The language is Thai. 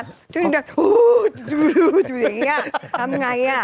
ทุกนิดนึงจะอยู่อย่างนี้ทำอย่างไร